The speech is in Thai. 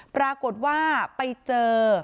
ปรากฏว่าไปเจอ